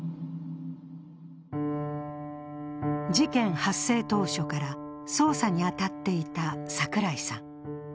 事件発生当初から、捜査に当たっていた櫻井さん。